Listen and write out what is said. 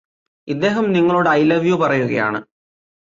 ഇദ്ദേഹം നിങ്ങളോട് I love you പറയുകയാണ്